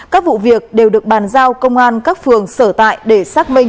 các vụ việc đều được bàn giao công an các phường sở tại để xác minh xử lý theo quy định